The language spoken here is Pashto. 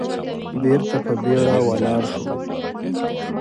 بېرته په بيړه ولاړ شو.